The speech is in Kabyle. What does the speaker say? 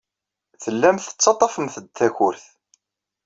Tellamt tettaḍḍafemt-d takurt.